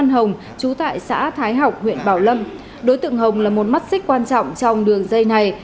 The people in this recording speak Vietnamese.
hồng chú tại xã thái học huyện bảo lâm đối tượng hồng là một mắt xích quan trọng trong đường dây này